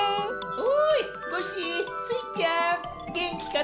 おいコッシースイちゃんげんきかのう？